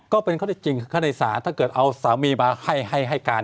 ก็เป็นข้อที่จริงเขาในศาลถ้าเกิดเอาสามีมาให้การ